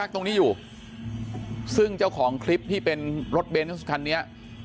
ตรงนี้อยู่ซึ่งเจ้าของคลิปที่เป็นรถเบนส์คันนี้